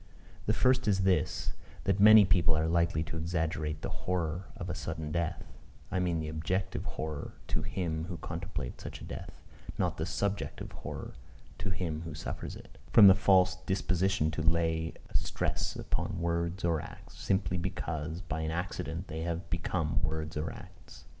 The first is this: that many people are likely to exaggerate the horror of a sudden death, (I mean the objective horror to him who contemplates such a death, not the subjective horror to him who suffers it,) from the false disposition to lay a stress upon words or acts, simply because by an accident they have become words or acts.